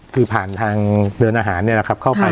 คือผ่านทางเดินอาหารเข้าไป